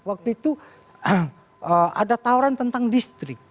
waktu itu ada tawaran tentang distrik